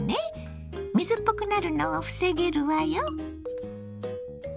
水っぽくなるのを防げるわよ。